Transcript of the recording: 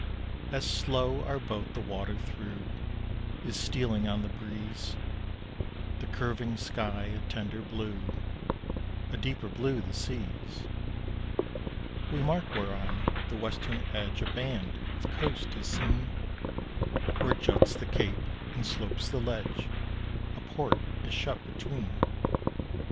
As slow our boat the water thro' Is stealing on the breeze, The curving sky a tender blue, A deeper blue the seas; We mark whereon the western edge A band of coast is seen, Where juts the cape and slopes the ledge, A port is shut between.